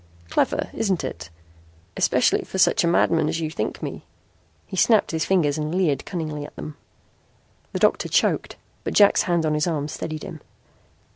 Clever, isn't it? Especially for such a madman as you think me." He snapped his fingers and leered cunningly at them. The doctor choked but Jack's hand on his arm steadied him.